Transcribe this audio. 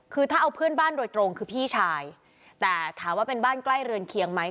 คือถ้าเอาเพื่อนบ้านโดยตรงคือพี่ชายแต่ถามว่าเป็นบ้านใกล้เรือนเคียงไหม